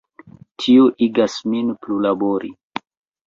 Tio igas min plulabori.